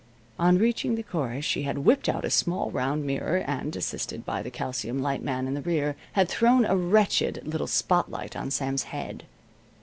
On reaching the chorus she had whipped out a small, round mirror and, assisted by the calcium light man in the rear, had thrown a wretched little spotlight on Sam's head.